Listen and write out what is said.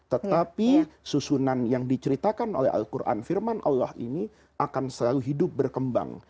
tetapi susunan yang diceritakan oleh al quran firman allah ini akan selalu hidup berkembang